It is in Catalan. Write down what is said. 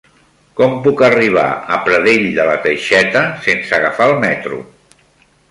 Com puc arribar a Pradell de la Teixeta sense agafar el metro?